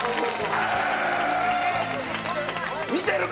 見てるか？